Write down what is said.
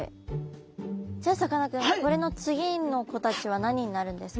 じゃあさかなクンこれの次の子たちは何になるんですか？